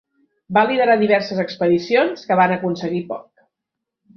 Va liderar diverses expedicions que van aconseguir poc.